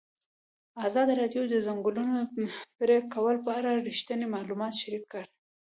ازادي راډیو د د ځنګلونو پرېکول په اړه رښتیني معلومات شریک کړي.